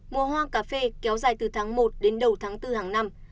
mùa hoa cà phê kéo dài từ tháng một đến đầu tháng bốn hàng năm